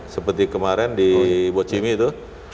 seperti kemarin di bocimi itu